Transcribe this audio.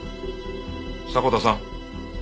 迫田さん。